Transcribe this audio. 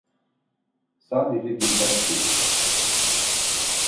Sadece birkaç kelime.